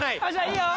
いいよ！